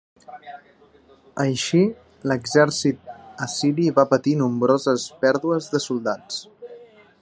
Així, l'exèrcit assiri va patir nombroses pèrdues de soldats.